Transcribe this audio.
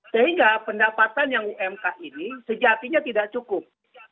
sehingga pendapatan yang umk ini sejatinya tidak cukup